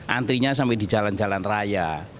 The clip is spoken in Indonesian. antrinya sampai di jalan jalan raya